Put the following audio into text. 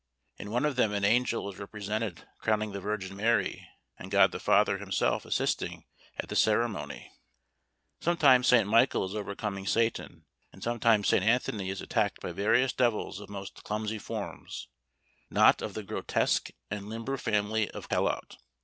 In one of them an angel is represented crowning the Virgin Mary, and God the Father himself assisting at the ceremony. Sometimes St. Michael is overcoming Satan; and sometimes St. Anthony is attacked by various devils of most clumsy forms not of the grotesque and limber family of Callot!